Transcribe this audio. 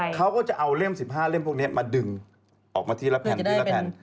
เขาก็จะเอาเล่ม๑๕เล่มพวกนี้มาดึงออกมาทีละแผ่นทีละแผ่น